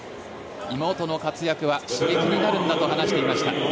妹の活躍は刺激になるんだと話していました。